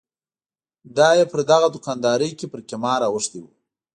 دای پر دغه دوکاندارۍ کې پر قمار اوښتی و.